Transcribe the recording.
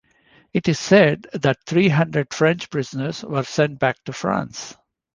It is said that three hundred French prisoners were sent back to France.